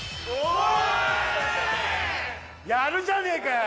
やるじゃねえかよ。